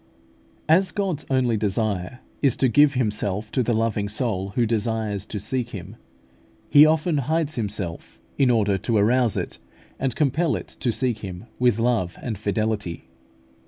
As God's only desire is to give Himself to the loving soul who desires to seek Him, He often hides Himself in order to arouse it, and compel it to seek Him with love and fidelity.